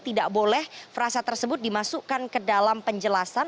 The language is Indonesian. tidak boleh frasa tersebut dimasukkan ke dalam penjelasan